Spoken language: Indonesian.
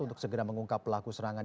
untuk segera mengungkap pelaku serangan